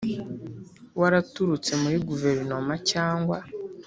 Waraturutse muri guverinoma cyangwa